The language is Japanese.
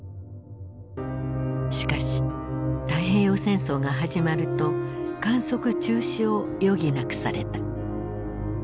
しかし太平洋戦争が始まると観測中止を余儀なくされた。